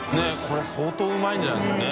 海相当うまいんじゃないですかね。